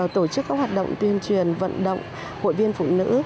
tổ chức các hoạt động tuyên truyền vận động hội viên phụ nữ